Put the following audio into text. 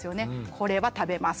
これは食べます